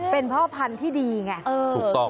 เป็นเพราะพันที่ดีไงถูกต้อง